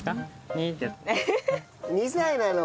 ２歳なの。